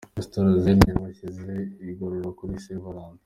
Resitora Zen yabashyize igorora kuri Se Valate